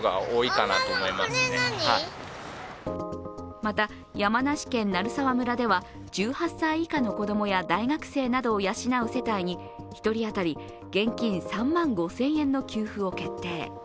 また、山梨県鳴沢村では１８歳以下の子供や大学生などを養う世帯に１人当たり現金３万５０００円の給付を決定。